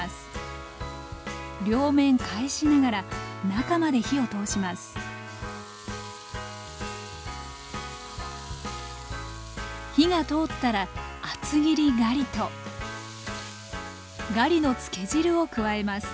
両面返しながら中まで火を通します火が通ったら厚切りガリとガリの漬け汁を加えます。